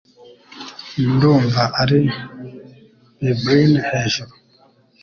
Ndumva ari bubblin 'hejuru